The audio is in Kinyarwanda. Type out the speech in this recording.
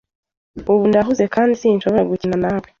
Ubu ndahuze kandi sinshobora gukina nawe.